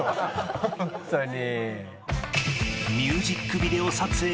ホントに。